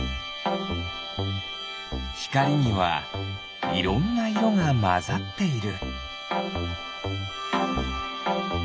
ひかりにはいろんないろがまざっている。